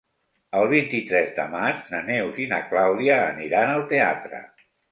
El vint-i-tres de maig na Neus i na Clàudia aniran al teatre.